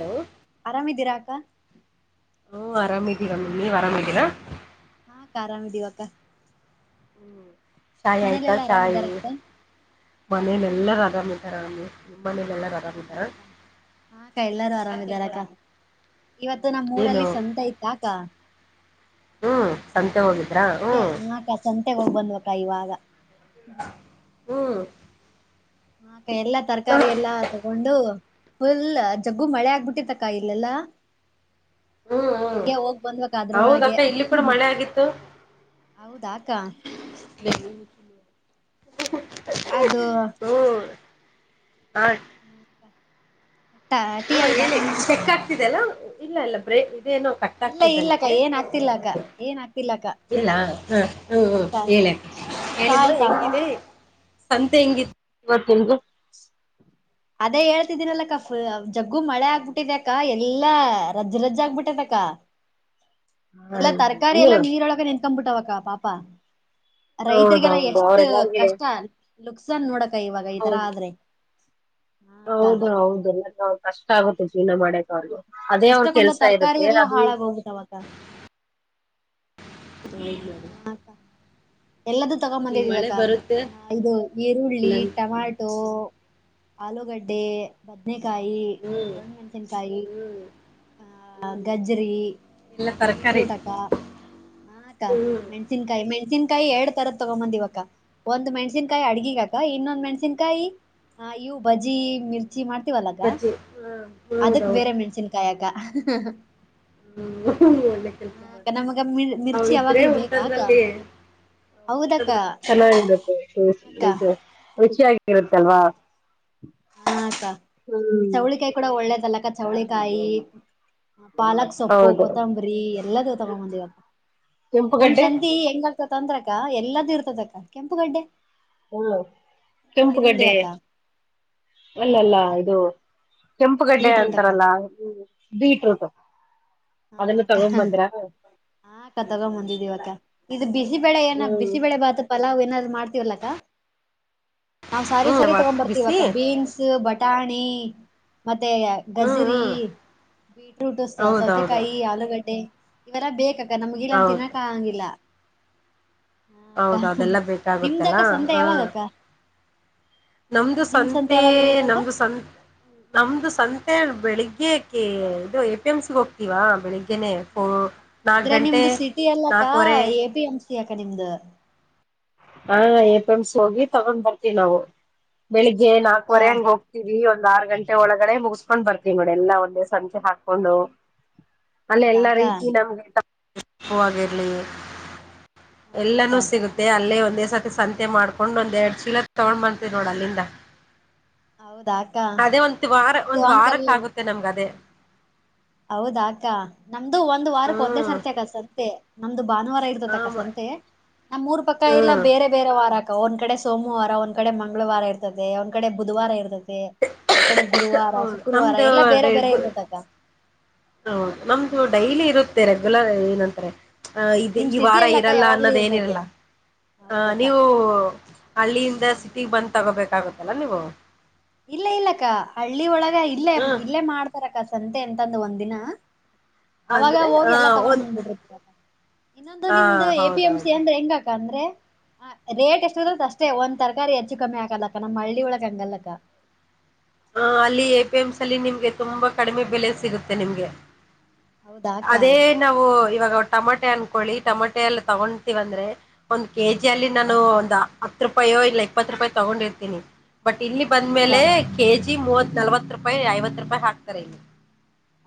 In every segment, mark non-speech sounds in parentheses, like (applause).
Hello ಆರಾಮಿದ್ದೀರಾ ಅಕ್ಕ. ಹ್ಮ್ ಆರಾಮಿದ್ದೀರಾಮಿ ನೀವ್ ಆರಾಮಿದೀರಾ. ಹಾಕ್ ಆರಾಮಿದಿವಕ್ಕ. ಹ್ಮ್ ಚಾಯ್ ಆಯ್ತಾ ಮನೇಲೆಲ್ಲಾ ಚಾಯ್ ಆರಾಮಿದಾರ ಅಕ್ಕ ಮನೇಲೆೆಲ್ಲರ ಆರಾಮ್ ಇದ್ದಾರ ನಿಮ್ಮ್ ಮನೇಲೆಲ್ಲ. ಹೌದಾಕ್ಕ ಹಾಂ ಅಕ್ಕ ಎಲ್ಲಾರು ಆರಾಮಿದಾರಕ್ಕ. ಇವತ್ತು ನಮ್ಮ್ ಏನು ಊರಲ್ಲಿ ಸಂತೆ ಇತ್ತಾಕ್ಕ. ಹ್ಮ್ ಸಂತೆ ಹೋಗಿದ್ರಾ ಅದಕ್ಕೆ ಹ್ಮ್ ಹುಕ್ಕ ಸಂತೆಗೆ ಹೋಗ್ ಬಂದ್ವಕ್ಕ ಇವಾಗ. ಹ್ಮ್ ಹಾಂ ಅಕ್ಕ ಎಲ್ಲಾ ಹ್ಮ್ ತರಕಾರಿ ಎಲ್ಲಾ ತೊಗೊಂಡು. ಫುಲ್ ಜಗ್ಗು ಮಳೆ ಆಗ್ಬಿಟ್ಟಿತ್ತಕ್ಕ ಇಲ್ಲೆಲ್ಲಾ. ಹ್ಮ್ ಹಂಗೆ ಹೋಗ್ ಬಂದ್ವಕ್ಕ ಅದ್ರೊಳಗೆ. ಹೌದಕ್ಕ ಇಲ್ಲಿ ಕೂಡ ಮಳೆ ಆಗಿತ್ತು ಹೌದಾಕ್ಕ. (unintelligible) ಅದು. (unintelligible) ಹ ಹ್ಮ್ (unintelligible) ಹ ಹೇಳಿ ಚೆಕ್ ಆಗ್ತಿದೆ ಎಲ್ಲ ಇಲ್ಲ ಇಲ್ಲ ಬ್ರೇಕ್ ಇದೇನು ಇಲ್ಲ ಇಲ್ಲ ಅಕ್ಕ ಏನ್ ಆಗ್ತಿಲ್ಲ ಅಕ್ಕ ಏನ್ ಆಗ್ತಿಲ್ಲಕ್ಕ. ಇಲ್ಲ ಹಾ ಹ್ಮ್ ಹ್ಮ್ ಹೇಳ ಚಾ ಹೇಳಿಮ್ಮ ಆಯ್ತಾ ಅಕ್ಕ ಹೆಂಗಿದೆ? ಸಂತೆ ಹೆಂಗಿತ್ತು ಇವತ್ತಿಂದು? ಅದೇ ಹೇಳ್ತಿದ್ದೀನಲ್ಲಕ್ಕ ಜಗ್ಗು ಮಳೆ ಆಗ್ಬಿಟ್ಟಿದೆಕ್ಕ ಎಲ್ಲಾ ರಜ್ಜ ರಜ್ಜೆ ಆಗ್ಬಿಟ್ಟಿದೆಕ್ಕ. (inaudible) ಎಲ್ಲಾ ತರಕಾರಿ ಎಲ್ಲಾ ಹ ನೀರೊಳಗ ನಿಂತ್ಕೋಬಿಟ್ಟವಕ್ಕ ಪಾಪ. ರೈತರಿಗೆಲ್ಲ ಹೌದೌದು ಎಷ್ಟ ಅವ್ರೆಲ್ಲರ್ಗೆ ಕಷ್ಟ ಲುಕ್ಸನ್ ನೋಡಕ ಇವಾಗ ಈ ತರ ಹೌದು ಆದ್ರೆ. ಹಾ ಅಕ್ಕ ಹೌದು ಹೌದು (unintelligible) ಕಷ್ಟ ಆಗುತ್ತೆ ಜೀವನ ಮಾಡಕ್ಕೆ. ಹೌದು ಅದೇ ಅವ್ರ ಎಷ್ಟಕ್ಕೊಂದ ಕೆಲ್ಸ ತರಕಾರಿ ಇರುತ್ತೆ ಎಲ್ಲಾ ಅದೇ ಹಾಳಾಗ ಹೋಗ್ಬಿಟ್ಟವಕ್ಕ ಹ (unintelligible) (unintelligible) (unintelligible) ಎಲ್ಲದು ಈ ಮಳೆ ತಗೊಂಬಂದಿದಿವಕ್ಕ ಬರುತ್ತೆ ಇದು ಈರುಳ್ಳಿ ಇಲ್ಲಂ ಟಮಾಟೊ ಆಲೂಗಡ್ಡೆ ಬದನಕಾಯಿ ಹ್ಮ್ ದೊಡ್ ಮೆಣಸಿನ್ಕಾಯಿ ಹ್ಮ್ ಹ ಹ್ಮ್ ಗಜ್ರಿ ಎಲ್ಲ ತರಕಾರಿ ಬೀಟ್ರೂಟ್ ಅಕ್ಕಾ ಹಾ ಅಕ್ಕಾ ಹ್ಮ್ ಮೆಣಸನ್ಕಾಯಿ ಮೆಣಸನ್ಕಾಯಿ ಎರಡ್ ತರ ತಗೊಂಬಂದಿವ್ ಅಕ್ಕ. ಒಂದ್ ಮೆಣ್ಸಿನ್ಕಾಯಿ ಅಡ್ಗಿಗಾ ಅಕ್ಕ ಇನ್ನೊಂದ್ ಮೆಣ್ಸಿನ್ಕಾಯಿ ಇವು ಬಜಿ ಮಿರ್ ಚಿ ಮಾಡ್ತೀವಲ ಅಕ್ಕ ಬಜ್ಜಿ ಹ್ಮ್ ಅದಕ್ ಹೌದೌದು ಬೇರೆ ಮೆಣ್ಸಿನಕಾಯಕಾ (unintelligible) ಹ್ಮ್ ಒಳ್ಳೆ ಕೆಲ್ಸ ಮಾಡಿ ಮಿರ್ (unintelligible) ಅವ್ರ್ ಮಿರ್ಚಿ ಇದ್ರೆ ಯಾವಾಗ್ಲೂ ಬೇಕಾ ಅಕ್ಕ ಊಟದಲ್ಲಿ ಹೌದಕ್ಕ (unintelligible) ಚೆನ್ನಾಗಿತ್ತೆ ಅಕ್ಕ ಇದು ರುಚಿಯಾಗಿರುತಲ್ವಾ? ಹ ಅಕ್ಕ ಚವಳಿಕಾಯಿ ಕೂಡ ಒಳ್ಳೇದಲ್ಲಕ್ಕ ಚೌಳಿಕಾಯಿ ಪಾಲಕ್ ಸೊಪ್ಪು ಹೌದು ಕೊತ್ತಂಬರಿ ಎಲ್ಲದ ತಗೊಂಬಂದಿವಕ್ಕ ನಮ್ ಕೆಂಪುಗಡ್ಡೆ ಸಂತಿ ಹೆಂಗ ತಂದ್ರಕ ಎಲ್ಲದು ಇರ್ತದಕ್ಕ ಕೆಂಪುಗಡ್ಡೆ ಹ್ಮ ಈರುಳ್ಳಿ ಕೆಂಪುಗಡ್ಡೆ ಅಕ್ಕ ಅಲ್ಲ ಅಲ್ಲ ಇದು ಕೆಂಪುಗಡ್ಡೆ ಬೀಟ್ರೂಟ್ ಅಕ್ಕ ಅಂತಾರಲ್ಲ ಬೀಟ್ರೂಟ್. ಹಾ ಅದನ್ನು ಅಕ್ಕ ತಗೊಂಡ್ ಬಂದ್ರ ಹಾ ಅಕ್ಕ ತಗೊಬಂದಿದ್ದೀವಿ ಅಕ್ಕ. ಇದು ಬಿಸಿಬೇಳೆ ಏನ ಹ್ಮ್ ಬಿಸಿಬೇಳೆ ಭಾತ ಪಲಾವ್ ಏನಾದ್ರು ಮಾಡ್ತೀವಲ್ಲಕ್ಕ ನಾವ್ ಸಾರಿ ಹ್ಮ್ ಸರಿ ಬಿಸಿ ತೊಗೊಬರ್ತಿವಕ್ಕ ಬೀನ್ಸ್ ಬಟಾಣಿ ಮತ್ತೆ ಹ್ಮ್ ಗಜರಿ ಹ್ಮ್ ಬೀಟ್ರೂಟ್ (unintelligible) ಹೌದೌದು ಸೋತೆಕಾಯಿ ಆಲೂಗಡ್ಡೆ ಇವಲ್ಲ ಬೇಕಕ್ಕ ನಮ್ಗ ಇಲ್ಲ ಅಂದ್ರೆ ಹೌದು ತಿನ್ನಕ್ಕ ಆಗಂಗಿಲ್ಲ. ಹ ಕ್ಕ ಹೌದು ಅದೆಲ್ಲ ಬೇಕಾಗುತ್ತಲ್ಲ ನಿಮ್ದಕ ಸಂತೆ ಹ ಯಾವಾಗಕ್ಕ? ನಮ್ದು ನಿಮ್ ಸಂತೆ ಯಾವಾಗಿರ್ತತಕ್ಕ ನಮ್ದು ಸಂ ನಮ್ದು ಸಂತೆ ಬೆಳಿಗ್ಗೆ ಇದು ಎ ಪಿ ಎಂ ಸಿಗೆ ಹೋಗ್ತೀವಾ ಬೆಳಿಗ್ಗೆ ಹ ಅಂದ್ರೆ ನಿಮ್ದು ಸಿಟಿ ಅಲ್ಲಕ್ಕ ನಾಕುವರೆ ಎ ಪಿ ಎಂ ಸಿ ಅಕ್ಕ ನಿಮ್ದ ಹಾ ಎ ಪಿ ಎಮ್ಸ್ ಹೋಗಿ ತಗೊಂಡ್ ಬರ್ತೀವಿ ನಾವು ಬೆಳಿಗ್ಗೆ ಅಕ್ಕ ನಾಲ್ಕವರೆ ಹಂಗ ಹೋಗ್ವಿ ಇರ್ತೀವಿ ಒಂದ್ ಆರು ಗಂಟೆ ಒಳಗಡೆ ಮುಗಿಸಕೊಂಡ್ ಬರ್ತೀವಿ ನೋಡಿ ಎಲ್ಲ ಒಂದೇ ಸಂಚೆ ಹಾಕೊಂಡು ಅಲ್ಲ ಹೌದಾ ಎಲ್ಲಾ ಅಕ್ಕ ರೀತಿ ನಮ್ಗೆತಿಳಿಸಿ ಹ ಅಕ್ಕ ಎಲ್ಲಾನೂ ಸಿಗುತ್ತೆ ಅಲ್ ಅಲ್ಲೇ ಒಂದೇ ಸತಿ ಸಂತೆ ಮಾಡ್ಕೊಂಡ್ ಒಂದ ಎರಡ್ ಚೀಲ ತಗೊಂಡ್ ಬಂತವಿ ನೋಡ್ ಅಲ್ಲಿಂದ. ಹೌದಾ ಅಕ್ಕ ಅದೇ ಒ ವಾರ ನಮ್ದು ಒಂದ್ ಹಂಗಲ್ಲ ವಾರಕ್ಕ ಆಗುತ್ತೆ ನಮ್ಗೆ ಅದೇ. ಹೌದಾ ಅಕ್ಕ ನಮ್ದು ಒಂದ್ ವಾರಕ್ ಒಂದೇ ಹ್ಮ್ ಸರ್ತಿ ಅಕ್ಕ ಸಂತೆ ನಮ್ದು ಭಾನುವಾರ ಆಮ ತಕ್ಕಸಂತೆ ನಮ್ಮೂರ್ ಪಕ್ಕ ಇಲ್ಲ ಹ್ಮ್ ಬೇರೆ ಬೇರೆ ವಾರ. ಒಂದ್ ಕಡೆ ಸೋಮವಾರ ಒಂದ್ ಕಡೆ ಮಂಗಳವಾರ ಇರ್ತದೆ ಒಂದ್ ಕಡೆ ಬುಧವಾರ ಇರ್ತದೆ. ಒಂದ್ ಕಡೆ ಗುರುವಾರ ಹೌದು ಶುಕ್ರವಾರ ನಮ್ದು ಎಲ್ಲಾ ಬೇರೆ ಬೇರೆ ರೆಗು ಇರ್ತತಕ. ಹೌದು ನಮ್ದು ಡೈಲಿ ಇರುತ್ತೆ ರೆಗ್ಯುಲರ್ ಏನಂತ್ರೆ. ಅ ಇದು ನಿಮ್ ಈ ಸಿಟಿ ವಾರ ಅಲ್ಲಕ್ಕ ಇರಲ್ಲ ಯಾವಾಗ್ಲೂ ಅನ್ನೋದೇ ಇರ್ತೈತೆ ಏನಿರಲ್ಲ. ಹ ಹೌದಕ್ಕ ನೀವು ಹಳ್ಳಿಯಿಂದ ಸಿಟಿಗೆ ಬಂದ್ ತಗೋಬೇಕಾಗತ್ತಲ್ಲ ನೀವು. ಇಲ್ಲ ಇಲ್ಲಕ್ಕ ಹಳ್ಳಿ ಒಳಗ ಇಲ್ಲೇ ಹ್ಮ ಇಲ್ಲೇ ಮಾಡ್ತ. ರಕ್ಕ ಸಂತೆ ಎಂತಂದು ಒಂದಿನ ಅವಾಗ ಅಂದ್ರೆ ಆ ಹೋಗಿ ಎಲ್ಲಾ ಒಂದ ತಗೊಂಡಬಂದ ಬಿಟ್ಟರ ತಾರ. ಇನ್ನೊಂದು ಹಾ ನಿಮ್ದು ಎ ಪಿ ಎಂ ಸಿ ಹೌದೌದು ಅಂದ್ರೆ ಹೆಂಗಾಕ ಅಂದ್ರೆ. ಹ ರೇಟ್ ಎಷ್ಟ ಇರತದ ಅಷ್ಟೇ ಒಂದ್ ತರಾರಿ ಹೆಚ್ಚು ಕಮ್ಮಿ ಹಾಕಲಕ್ಕ ನಮ್ಮ್ ಹಳ್ಳಿ ಒಳಗ್ಗೆ ಹಂಗಲ್ಲಕ್ಕ. ಹ ಅಲ್ಲಿ ಎ ಪಿ ಎಮ ಸಿ ಅಲ್ಲಿ ನಿಮ್ಗೆ ತುಂಬಾ ಕಡಿಮೆ ಬೆಲೆ ಸಿಗುತ್ತೆ ನಿಮ್ಗೆ. ಹೌದಾ ಅಕ್ಕ ಅದೇ ಹಾ ನಾವು ಇವಾಗ ಟಮಾಟೆ ಅನ್ಕೊಳ್ಳಿ ಟಮಾಟೆ ಎಲ್ಲ ತಗೊತೀವಂದ್ರೆ. ಒಂದ್ ಕೆಜಿ ಅಲ್ಲಿ ಅಕ್ಕ ನಾನು ಒಂದ್ ಹತ್ತು ರೂಪಾಯೋ ಇಲ್ಲ ಇಪ್ಪತ್ತು ರೂಪಾಯ ತಗೊಂಡಿರ್ತೀನಿ. ಬಟ್ ಇಲ್ಲಿ ಹಾ ಅಕ್ಕ ಬಂದ್ಮೇಲೆ ಕೆಜಿ ಮೂವತ್ ನಲ್ವತ್ ರೂಪಾಯಿ ಐವತ್ ರೂಪಾಯಿ ಹಾಕ್ತಾರೆ ಇಲ್ಲಿ.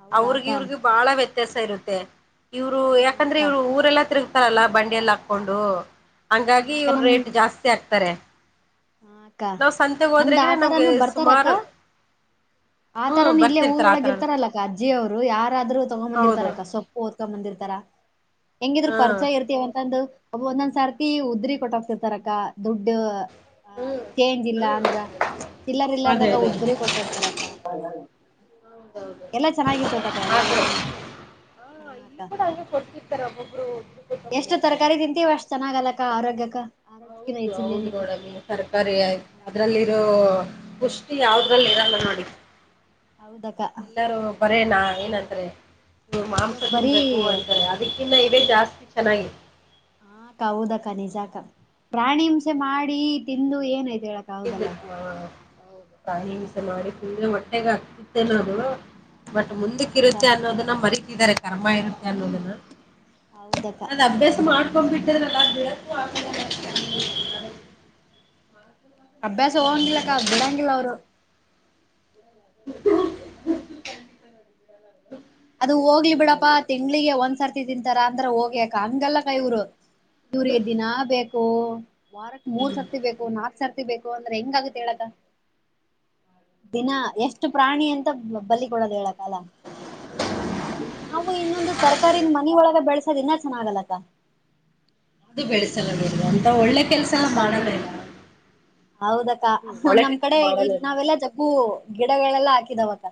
ಹೌದಾ ಅವ್ರಗ ಅಕ್ಕ ಹಾ ಇವ್ರಿಗಿ ಬಾಳ ವ್ಯತ್ಯಾಸ ಇರುತ್ತೆ ಇವ್ರು ಯಾಕಂದ್ರೆ ಅಕ್ಕ ಇವ್ರ ಊರೆಲ್ಲಾ ತಿರುಗ. ರಲ್ಲ ಬಂಡಿಯಲ್ಲಿ ಹಾಕೊಂಡು ಹಾ ಹಂಗಾಗಿ ಅಕ್ಕ ಇವ್ರ ರೇಟ್ ಜಾಸ್ತಿ ಆಕ್ತಾರೆ. ಹಕ್ಕ ನಮ್ದ್ ಹೋದ್ರೆಗಿನ ನಮ್ಗೆ ಆತರಾನೂ ಬರ್ತಾರಕ್ಕ. ಸುಮಾರು ಹ್ಮ್ ಆತರನು ಇಲ್ಲೇ ಬರ್ತಿರ್ತಾರ ಊರೊಳಗ ಆತರ ಇರ್ತಾರಲ್ಲಕ್ಕ ಅಜ್ಜಿ ಅವ್ರು ಯಾರಾದ್ರರು ಹೌದು ತೊಗೊಂಬಂದಿರ್ತಾರಕ್ಕ ಸುಮ್. ಓದಕೊಂದ ಬಂದಿರ್ತಾರ ಹೆಂಗಿದ್ರ ಹ್ಮ್ ಪರಿಚಯ ಇರ್ತೀವಂತಂದ. ಒಬ್ಬವ ಒಂದೊಂದ್ ಸರ್ತಿ ಉದ್ರಿ ಕೊಟ್ಟೋಗ್ತಿರ್ತಾರಕ್ಕ ದುಡ್ಡು. ಹ ಹ್ಮ್ ಚೇಂಜ್ ಇಲ್ಲಾ ಹ್ಮ್ ಅಂದ್ರ ಚಿಲ್ಲರ್ ಅದೇ ಇಲ್ಲಾರದಾಗ ಅದೇ ಉದ್ರಿ ಕೊಟ್ಟ ಹೋಗ್ತಾರಂತ. ಹೌದೌದು ಎಲ್ಲಾ ಚೆನ್ನಾಗಿರ್ತತಕ್ಕ ಎಲ್ಲಾ ಆತರ ಕಡೆನು. ಹಾ ಹಾ ಅಕ್ಕ ಇಲ್ಲಿ ಕೂಡ ಹಂಗೆ ಕೊಡ್ತಿರ್ತಾರೆ ಒಬ್ಬೊಬ್ರು ಕೊಟ್ಟು ಎಷ್ಟು ಹೋಗ್ತಾರೆ ತರಕಾರಿ ತಿಂತೀವ ಅಷ್ಟು ಚೆನ್ನಾಗ ಅಲ್ಲಕ್ಕ ಆರೋಗ್ಯಕ್ಕ ಆರೋಗ್ಯಕಿನ ಹೆಚ್ಚಾಯಿಂದ ಏನೈತೆ. ತರಕಾರಿಯ್ತು ಅದ್ರಲ್ಲಿ ಇರೋ ಪುಷ್ಟಿ ಯಾವದ್ರಲ್ಲಿ ಇರಲ್ಲ ನೋಡಿ. ಹೌದಕ್ಕ ಎಲ್ಲಾರೂ ಬರೇನಾ ಏನಂತರೆ ನೀವು ಮಾಂಸ ಯಾಕ ಬರೀ ತಿನ್ಬೇಕು ಅಂತಾರೆ. ಇದಕ್ಕಿನ್ನ ಇವೆ ಜಾಸ್ತಿ ಚೆನ್ನಾಗಿದೆ. ಹ ಅಕ್ಕ ಹೌದಕ್ಕ ನಿಜಕ್ಕ ಪ್ರಾಣಿ ಹಿಂಸೆ ಮಾಡಿ ತಿಂದು ಏನಯ್ತು ಹೇಳಕ್ಕ. ಹೌದಲ್ಲ ಹಾಕ್ಕ ಪ್ರಾಣಿಹಿಂಸೆ ಮಾಡಿ ತಿಂದ್ರೆ ಹೊಟ್ಟೆೆಗೆ ಹಗ್ತಿತ್ತನೋ ಅದು. ಬಟ್ ಮುಂದಕ್ಕ ಹಾಕ್ಕ ಇರುತ್ತೆ ಅನ್ನೋದನ್ನ ಮರಿತಿದ್ದಾರೆ ಕರ್ಮ ಇರುತ್ತೆ ಅನ್ನೋದನ್ನ. ಹೌದಕ್ಕ ಅದ್ ಅಭ್ಯಾಸ ಮಾಡ್ಕೊಂಡ್ ಬಿಟ್ಟದ್ರಲ್ಲ ಬೇಕು ಅಭ್ಯಾಸ ಹೋಗಂಗಿಲ್ಲಕ್ಕ ಬಿಡಂಗಿಲ್ಲ ಅವ್ರು. (inaudible) ಅದು ಹೋಗ್ಲಿ ಬಿಡಪ್ಪಾ ತಿಂಗ್ಳಿಗೆ ಒಂದ್ಸರ್ತಿ ತಿಂತಾರ ಅಂದ್ರ ಹೋಗ್ಯಕ ಹಂಗಲ್ಲ ಇವರು. ಇವರಿಗೆ ದಿನಾ ಬೇಕು. ವಾರಕ್ ಮೂರ್ ಸರ್ತಿ ಬೇಕು ನಾಲ್ಕ್ ಸರ್ತಿ ಬೇಕು ಅಂದ್ರೆ ಹೆಂಗಗುತ್ತೆ ಹೇಳಕ. ದಿನ ಎಷ್ಟು ಪ್ರಾಣಿ ಅಂತ ಬಲಿ ಕೊಡದು ಹೇಳಕಲ್ಲ ನಾವು ಇನ್ನೊಂದು ತರಕಾರಿನ ಮನೊಳಗ ಬೆಳೆಸೋದ ಇನ್ನ ಚೆನ್ನಾಗದ ಅಕ್ಕಾ. ಇದು ಬೆಳೆಸಲ ಬಿಡಿ ಅಂತ ಒಳ್ಳೆ. ಕೆಲಸ ಹ ಎಲ್ಲ ಅಕ್ಕ ಮಾಡಲ್ಲ ಇಲ್ಲ ಹೌದಕ್ಕ ಹ್ಮ್ ಒಳ್ಳೆ ನಮ್ ಕೆಲ್ಸ ಕಡೆ ಇ ಮಾಡಲ್ಲ ನಾವೆಲ್ಲ ಹೂ ಗಿಡಗಳೆಲ್ಲ ಹಾಕಿದಾವ ಅಕ್ಕ.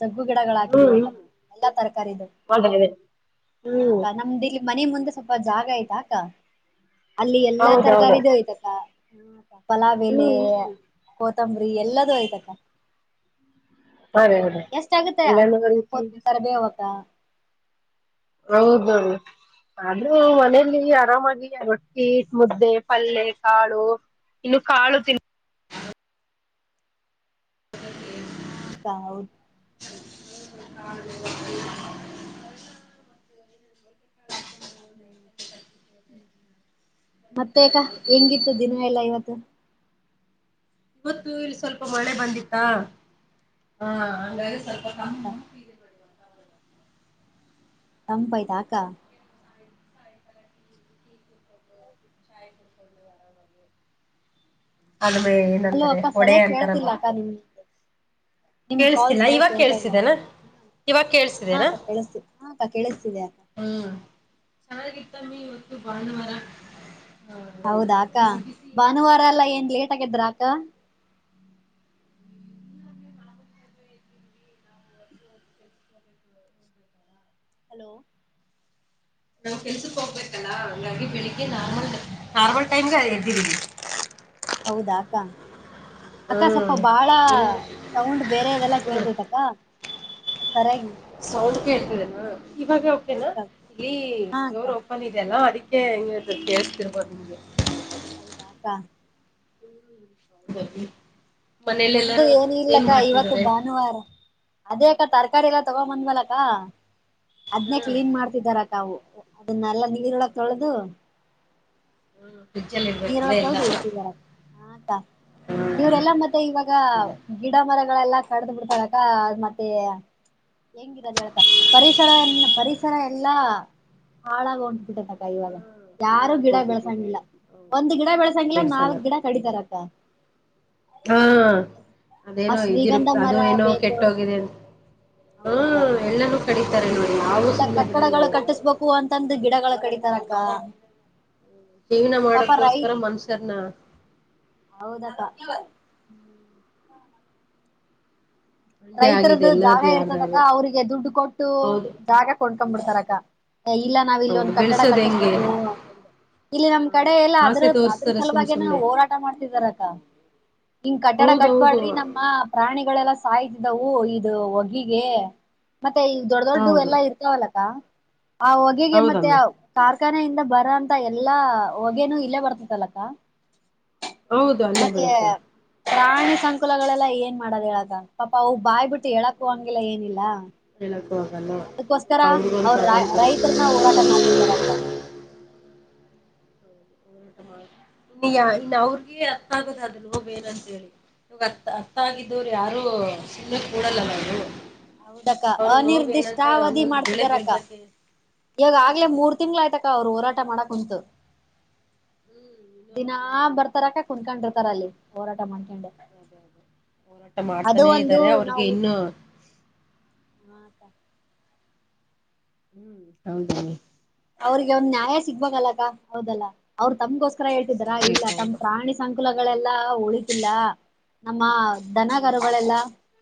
ಸಗ್ಗು ಗಿಡಗಳ ಹಾಕಿದೀವಕ್ಕ ನಾವು ಎಲ್ಲಾ ತರಕಾರಿಗಳ. ಬಾಳ ಹೈರಾಣ. ಹ ಅಕ್ಕ ನಮ್ದಿಲ್ಲಿ ಮನೆಮುಂದೆ ಸ್ವಲ್ಪ ಜಾಗ ಅಕ್ಕ ಅಲ್ಲಿ ಎಲ್ಲ. ಹೌದೌದು ಯ್ತಕ್ಕ ಪಲಾವೆಲೆ ಹ್ಮ್ ಕೋತಂಬರಿ ಎಲ್ಲದೂ ಆಯ್ತಕ್ಕ. ಹೌದೌದು ಎಷ್ಟ ಆಗುತ್ತೆ ಎಲ್ಲಾನು ರೀತಿಯಿಂದ (unintelligible) ಕರಿಬೇವ ಅಕ್ಕಾ. ಹೌದದು ಆದ್ರೂ ಮನೇೆಯಲ್ಲಿ ಆರಾಮಾಗಿ ರೊಟ್ಟಿ ಮುದ್ದೆ ಪಲ್ಲ್ಲೆ ಕಾಳು ಇನ್ನು ಕಾಳು ತಿನ್ ಹಾ ಅಕ ಹೌದು (inaudible) ಹ್ಮ ಮತ್ತೆ ಅಕ ಹೆಂಗಿತ್ತು ದಿನ ಎಲ್ಲಾ ಇವತ್ತು ಇವತ್ತು ಇಲ್ಲಿ ಸ್ವಲ್ಪ ಮಳೆ ಬಂದಿತ್ತಾ ಹ ಅಂಗಾರೆ ಹಾ ಕ ತಂಪ್ಐತ ಅಕ (inaudible) ಅಲ್ಮೇ ಅಲೋ ಏನಂತಾರೆ ಅಕ್ಕ ಹೊಡೆ ಸರಿಯಾಗಿ ಕೇಳ್ತಿಲ್ಲ ಅಂತಾರಲ್ವಾ ಅಕ್ಕ ನಿಮ್ ನಿಮ್ ಕಾಲ್ ಕೇಳ್ಸ್ತಿಲ್ಲ ಸರಿಯಾಗಿ ಇವಾಗ ಕೇಳ್ತಾ ಇಲ್ಲ ಕೇಳಸಿದೆೇನಾ ಇವಾಗ ಹಾ ಕೇಳ್ಸಿದೆೇನಾ ಅಕ್ಕ ಕೇಳಿಸ್ತಿದೆ ಹಾ ಅಕ್ಕ ಕೇಳಿಸ್ತಿದೆ ಅಕ್ಕ ಹ್ಮ್ ಚೆನ್ನಾಗಿತ್ತಮ್ಮಿ ಇವತ್ತು ಭಾನುವಾರ ಹಾ ಹೌದಾ ಏನಂತಾರೆ ಅಕ್ಕ ಬಿಸಿ ಬಿಸಿ ಏನಿಲ್ಲ ಭಾನುವಾರ ಎಲ್ಲಾ ಎಲ್ಲ ಏನ್ ಲೇಟ್ ಆಗಿ ಎದ್ರ ಅಕ್ಕ ಹಲೋ ನಾವು ಕೆಲ್ಸಕ್ ಹೋಗ್ಬೇಕಲ್ಲಾ ಹಂಗಾಗಿ ಬೆಳಿಗ್ಗೆ ನಾರ್ಮಲ್ ನಾರ್ಮಲ್ ಟೈಮ್ಗೆ ಎದ್ದಿದೀವಿ ಹೌದಾ ಅಕ್ಕ ಅಕ್ಕ ಸ್ವಲ್ಪ ಹ್ಮ್ ಬಾಳ ನಿಮ್ದು ಸೌಂಡ್ ಬೇರೆ ಇದೆಲ್ಲ ಕೇಳ್ತ್ಐತೆ ಅಕ್ಕ ಸೌಂಡ್ ಕೇಳ್ತದೆನಾ ಇವಾಗ ಓಕೆ ಹಾ ನಾ ಅಕ್ಕ ಇಲ್ಲಿ ಹಾ ಅಕ್ಕ ಡೋರು (unintelligible) ಇದೆ ಅಲ್ಲ ಅದಿಕ್ಕೆ ಕೇಳಿಸ್ತಿರ್ಬೋದು ನಿಂಗೆ ಹೌದಾ ಕ ಹ (inaudible) ನಮ್ದು ಏನು ಏನ್ ಇಲ್ಲಕ್ಕ ಇವತ್ತು ಮಾಡ್ತಿದ್ದಾರೆ ಭಾನುವಾರ ಅದೇ ಅಕ್ಕ ತರಕಾರಿ ಎಲ್ಲ ತಗೊ ಬಂದವಲಕ್ಕ ಅದ್ನೇ ಹ್ಮ್ ಕ್ಲೀನ್ ಮಾಡ್ ಾರ (unintelligible) ತಾವು ಅದನ್ನೆಲ್ಲ ನೀರೊಳಗ್ ತೊಳೆದು ಪ್ರಿಜ್ ಲಿ (unintelligible) ನೀರಳ ತಳದು ಇಡ್ತರ ಹಟಾ ಇವರೆಲ್ಲಾ ಮತ್ತೆ ಇವಾಗ ಗಿಡ ಮರಗಳೆಲ್ಲ ಕಡ್ದ್ ಬಿಡ್ತಳಕ ಮತ್ತೆ ಹ ಹೆಂಗಿರೋದ್ ಹೇಳಕ್ಕ ಪರಿಸರ ಎಪರಿಸರ ಎಲ್ಲಾ ಹಾಳಾಗ (unintelligible) ಉಂಟು ಬಿಟ್ಟ ಕ ಇವಾಗ ಯಾರು ಹಾಳಾಗಿ ಗಿಡ ಹೋಗ್ಬಿಟ್ಟಿದೆ ಬೆಳಸಂಗಿಲ್ಲ ಅಲ್ಲ ಹೌದಲ್ಲ ಒಂದ್ ಗಿಡ ಬೆಳಸಂಗಿಲ್ಲ ಬೆಳ್ಸಲ್ಲ ನಾಲ್ಕ್ ಗಿಡ ಕಡಿತಾರಕ್ಕ ಹಾ ಆ ಅದೇನೋ ಇದಿರು ಶ್ರೀಗಂಧ ಅದು ಮರ ಏನೋ ಬೇಕು ಕೆಟ್ಟೋಗಿದೆ ಅಂತ ಹ ಹೌದಕ್ಕ ಎಲ್ಲನು ಕಡೀತಾರೆ ನೋಡಿ ಅವ್ರು ಸುಮ್ನೆ ಬಿಡಲ್ಲ ಯಾರು ಹಪ್ಪು ಅಂತಂದು ಗಿಡಗಳು ಕಡಿತಾರಕ್ಕ ಜೀವ್ನ ಪಾಪ ಮಾಡೋದಕೋಸ್ಕರ ರೈತ್ ಮನುಷ್ಯರನ ಹೌದಕ್ಕ ಹಂಗೆ ಆಗಿದೆ ರೈತರದ್ದು ಜಾಗ ಎಲ್ಲಾರ್ದು ಇರ್ತದಕ್ಕ ಯಾರ್ದಾರು ಅವ್ರಿಗೆ ದುಡ್ಡು ಕೊಟ್ಟು ಹೌದು ಜಾಗ ಕೊಂಡ್ಕೊಬಿಡ್ತಾರಕ್ಕ ಇಲ್ಲ ನಾವ್ ಇಲ್ಲಿ ಹೌದು ಒಂದ್ ಕಟ್ಟಡ ಬೆಳ್ಸೋದ್ ಹೆಂಗೆ ಕಟ್ಟಿಸ್ಬೇಕು ಇಲ್ಲಿ ನಮ್ ಕಡೆ ಹೌದು ಎಲ್ಲ ಅದ್ರ ಆಸೆ ಅದ್ರ ತೋರ್ಸ್ತಾರೆ ಸುಮ್ ಸಲುವಾಗಿ ಏನ ಸುಮ್ನೆ ಹೋರಾಟ ಮಾಡ್ತಿದಾರಕ್ಕ ಹಿಂಗ್ ಕಟ್ಟಡ ಕಟ್ ಹೌದೌದು ಮಾಡ್ರಿ ನಮ್ಮ ಪ್ರಾಣಿಗಳೆಲ್ಲ ಸಾಯ್ತಿದ್ದವು ಇದು ಒಗಿಗೆ ಮತ್ತೆ ಇ ದೊಡ್ ದೊಡ್ ಹೌದು ಎಲ್ಲಾ ಇರ್ತಾವಲ್ಲಕ್ಕ ಆ ಹೊಗೆಗೆ ಮತ್ತೆ ಹೌದಮ್ಮಿ ಅವ್ ಕಾರ್ಖಾನೆಯಿಂದ ಬರಂತ ಎಲ್ಲಾ ಹೊಗೆೇನೂ ಇಲ್ಲೇ ಬರ್ತದಲಕ್ಕ ಹೌದು ಅಲ್ಲೇ ಮತ್ತೆ ಬರುತ್ತೆ ಪ್ರಾಣಿ ಸಂಕುಲಗಳೆಲ್ಲ ಏನ್ ಮಾಡೋದ್ ಹೇಳಕ್ಕ ಪಾಪಾ ಅವು ಬಾಯ್ಬಿಟ್ಟು ಹೇಳಕ್ಕು ಹ್ಮ್ ಹಂಗಿಲ್ಲ ಏನಿಲ್ಲ ಹೇಳಕ್ಕೂ ಆಗಲ್ಲ ಅದಕ್ಕೋಸ್ಕರ ಅವ್ರ ಒಂದು ಸಾಗೊಥರ. ರೈತರನ್ನ ಹೋರಾಟ ಮಾಡ್ತಿದಾರಕ್ಕ ನೀ ಇನ್ನು ಅವ್ರಗ ಅರ್ಥ ಆಗದ ಅದು ನೋವು ಏನಂತ ಹೇಳಿ. ಇವಾಗ ಅತ್ತ ಅತ್ತ ಆಗಿದ್ದವರು ಯಾರು ಸುನೆಕ್ ಕೂಡಲ್ಲಲ್ಲರು. ಹೌದಕ್ಕ ಅನಿರ್ದಿಷ್ಟಾವಧಿ ಬೆಳೆ ಮಾಡ್ತಿದಾರಕ್ಕ. ಬೆಳ್ಸಕ್ಕೆ ಈವಾಗ ಆಗ್ಲೇ ಹ್ಮ್ ಮೂರ್ ತಿಂಗಳ್ ಆಯ್ತಕ್ಕ ಅವ್ರು ಹೋರಾಟ ಮಾಡಕ್ ಕುಂತು. ಹ್ಮ್ ಇನ್ನು ದಿನಾ ಅವ್ರಿಗಿನ್ನು ಬರ್ತಾರಕ್ಕ ಕುಂದಕೊಂಡಿರ್ತಾರ ಅಲ್ಲಿ ಹೋರಾಟ ಮಾಡ್ಕೊಂಡೆ. ಅದ ಹೋರಾಟ ಮಾಡ್ತಾನೇ ಇದ್ದಾರೆ ಅವ್ರಿಗೆ ಇನ್ನು ಹಾತ ಹ್ಮ್ ಹೌದಿ. ಅವ್ರಿಗೆ ಒಂದ್ ನ್ಯಾಯ ಸಿಗ್ಬಲ್ಲಕ್ಕ ಹೌದಲ್ಲ ಅವ್ರು ತಮ್ಗೋಸ್ಕರ ಹೇಳ್ತಿದಾರಾ ಇಲ್ಲ ಸಿಗ್ಬೇಕು ತಮ್ಮ್ ಅವರು ಪ್ರಾಣಿ ಸಂಕುಲಗಳೆಲ್ಲಾ ಉಳತಿಲ್ಲ ನಮ್ಮ ಹ್ಮ್ ದನಗರುಗಳೆಲ್ಲ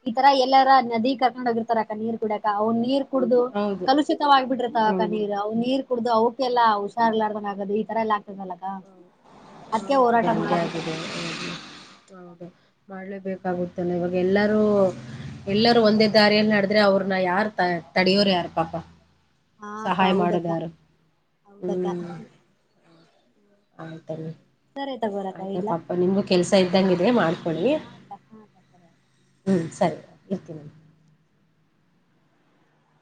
ಈ ತರ ಎಲ್ಲಾರ ನದಿ ಕರ್ಕೊಂಡು ಹೋಗಿರ್ತಾರ ಅಕ್ಕ ನೀರ್ ಕುಡಿಯಕ ಅವ್ ನೀರ್ ಕುಡ್ದು ಹೌದು ಕಲುಷಿತವಾಗಿಗಬಿಡ್ರೆ ತಕ ಹೌದು ನೀರುವು ನೀರ್ ಕುಡ್ದು ಅವ್ಕೆಲ್ಲ ಹೌದು ಹುಷಾರ್ಲಾರ್ದಂಗ ಆಗದು ಈ ತರ ಎಲ್ಲ ಆಗ್ತದಲ್ಲ. ಹೌದು ಅದಕ್ಕೆ ಹೋರಾಟ ಹಂಗೆ ಮಾಡಬೇಕಾರ ಆಗಿದೆ ಹೌದು ಹೌದು ಮಾಡಲೇಬೇಕಾಗುತ್ತಲ್ಲ ಇವಾಗ ಎಲ್ಲರೂ ಎಲ್ಲರೂ ಒಂದೇ ದಾರಿಯಲ್ಲಿ ನಡದ್ರೆ ಅವ್ರನ್ನ ಯಾರ ತ ತಡಿಯೋರ್ ಯಾರ ಪಾಪ. ಹಾ ಅಕ್ಕ ಸಹಾಯ ಹೌದಕ್ಕ ಮಾಡೋದ್ಯರು ಹೌದಕ್ಕ ಹ್ಮ್. ಹದನ್. ಸರಿ ತಗ. ಆಯ್ತಾ ಪಾಪ ನಿಮ್ದು ಕೆಲ್ಸ ಇದ್ದಂಗಿದೆ ಮಾಡ್ಕೊಳ್ಳಿ. ಹಾ ಅಕ್ಕ ಹಾ ಅಕ್ಕ ಸರಿ ಅಕ್ಕ. ಹ್ಮ್ ಸರಿ ಇರ್ತೀನಿ.